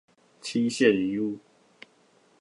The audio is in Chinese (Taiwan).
七賢一路